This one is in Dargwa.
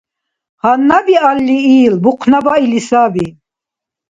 Гьанна биалли ил бухънабаили саби.